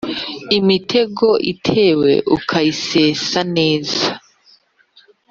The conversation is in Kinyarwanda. imitego itewe ukayisesa neza.